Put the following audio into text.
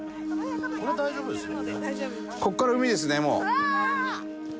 これ大丈夫ですよね？